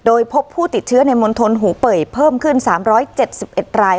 โดยพบผู้ติดเชื้อในมณฑลหูเป่ยเพิ่มขึ้น๓๗๑ราย